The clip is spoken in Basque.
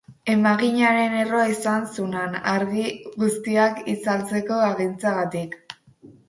Emaginaren errua izan zunan, argi guztiak itzaltzeko agintzeagatik.